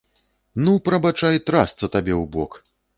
Ну, прабачай, трасца табе ў бок!